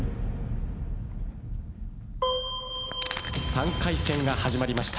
３回戦が始まりました。